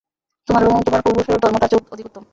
তোমার ও তোমার পূর্বপুরুষদের ধর্ম তার চেয়ে অধিক উত্তম।